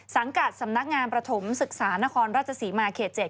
สังกัดสำนักงานประถมศึกษานครราชศรีมาเขต๗